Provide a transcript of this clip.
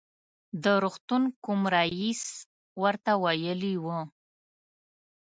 د روغتون کوم رئیس ورته ویلي و.